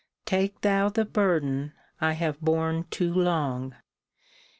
Take thou the burden I have borne too long.